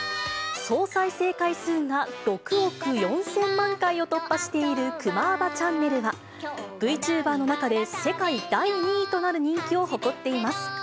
総再生回数が６億４０００万回を突破しているクマーバチャンネルは、Ｖチューバーの中で世界第２位となる人気を誇っています。